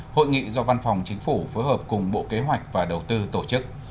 hội nghị do văn phòng chính phủ phối hợp cùng bộ kế hoạch và đầu tư tổ chức